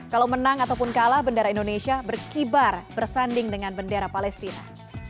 kalau menang ataupun kalah bendera indonesia berkibar bersanding dengan bendera palestina